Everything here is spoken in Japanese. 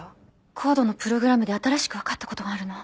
ＣＯＤＥのプログラムで新しく分かったことがあるの。